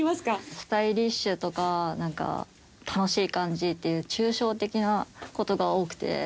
スタイリッシュとかなんか楽しい感じっていう抽象的な事が多くて。